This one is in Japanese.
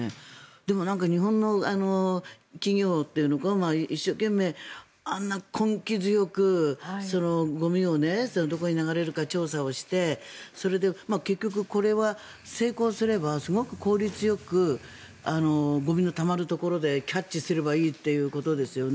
でも、日本の企業というか一生懸命、あんな根気強くゴミがどこに流れるか調査をしてそれで結局、これは成功すればすごく効率よくゴミのたまるところでキャッチすればいいということですよね。